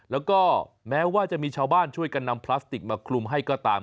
แล้วก็แม้ว่าจะมีชาวบ้านช่วยกันนำพลาสติกมาคลุมให้ก็ตาม